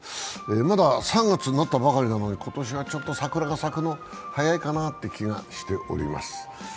まだ３月になったばかりなのに今年はちょっと桜が咲くのが早いかなって気がしております。